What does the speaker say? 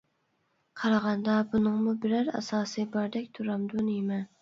قارىغاندا بۇنىڭمۇ بىرەر ئاساسى باردەك تۇرامدۇ نېمە؟ !